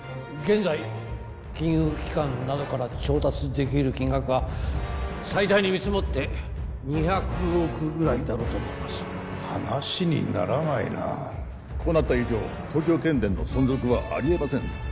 現在金融機関などから調達できる金額は最大に見積もって２００億ぐらいだろうと思われます話にならないなこうなった以上東京建電の存続はあり得ません